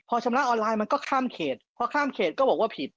พอชำระออนไลน์มันก็ข้ามเขตพอข้ามเขตก็บอกว่าผิด